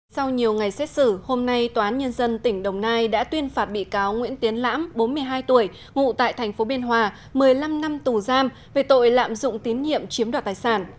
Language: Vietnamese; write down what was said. sau nhiều ngày xét xử hôm nay tòa án nhân dân tỉnh đồng nai đã tuyên phạt bị cáo nguyễn tiến lãm bốn mươi hai tuổi ngụ tại tp biên hòa một mươi năm năm tù giam về tội lạm dụng tín nhiệm chiếm đoạt tài sản